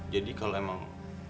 jadi kalau emang